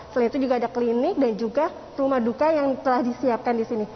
selain itu juga ada klinik dan juga rumah duka yang telah disiapkan di sini